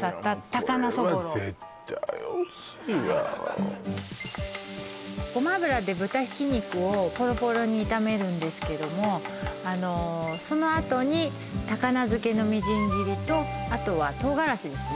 高菜そぼろごま油で豚ひき肉をぽろぽろに炒めるんですけどもそのあとに高菜漬けのみじん切りとあとは唐辛子ですね